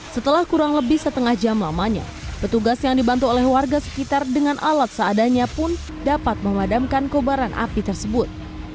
setelah kurang lebih setengah jam lamanya petugas yang dibantu oleh warga sekitar dengan alat seadanya pun dapat memadamkan kobaran api tersebut